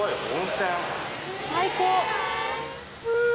「最高！」